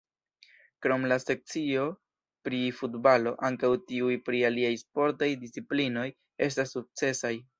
Krom la sekcio pri futbalo, ankaŭ tiuj pri aliaj sportaj disciplinoj estas sukcesaj.